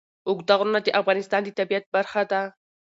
اوږده غرونه د افغانستان د طبیعت برخه ده.